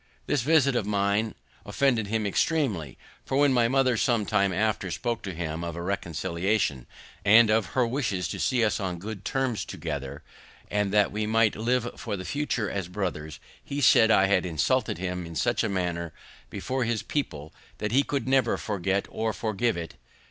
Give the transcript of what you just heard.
This visit of mine offended him extreamly; for, when my mother some time after spoke to him of a reconciliation, and of her wishes to see us on good terms together, and that we might live for the future as brothers, he said I had insulted him in such a manner before his people that he could never forget or forgive it.